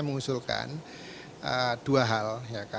mengusulkan dua hal